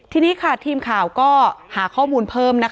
ทีนี้ค่ะทีมขาวก็หาข้อมูลเผินนะคะ